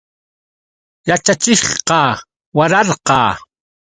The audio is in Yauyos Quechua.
Yaćhachiqqa wararqa.